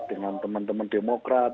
dengan teman teman demokrat